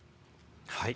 はい。